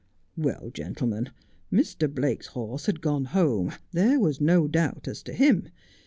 Well, gentlemen, Mr. Blake's horse had gone home, there was no doubt as to him.